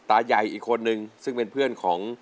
ตาใหญ่อีกคนนึงซึ่งเป็นเพื่อนของ